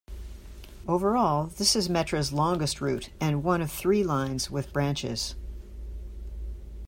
Overall, this is Metra's longest route and one of three lines with branches.